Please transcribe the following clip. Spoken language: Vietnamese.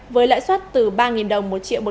với lãi suất từ ba đồng